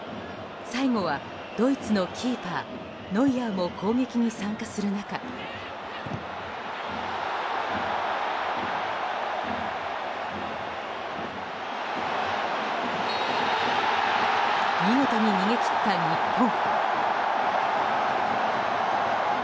最後はドイツのキーパーノイアーも攻撃に参加する中見事に逃げ切った日本。